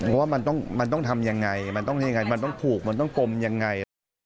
เพราะว่ามันต้องทำยังไงมันต้องผูกมันต้องกลมยังไง